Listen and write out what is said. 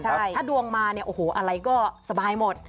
ถ้าดวงมาเนี่ยโอ้โหอะไรก็สบายหมด